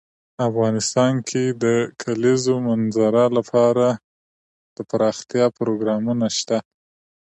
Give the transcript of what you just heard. افغانستان کې د د کلیزو منظره لپاره دپرمختیا پروګرامونه شته.